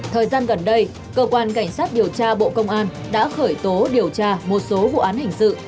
thời gian gần đây cơ quan cảnh sát điều tra bộ công an đã khởi tố điều tra một số vụ án hình sự